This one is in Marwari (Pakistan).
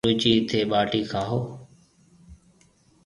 گُرو جِي ٻاٽِي کائون۔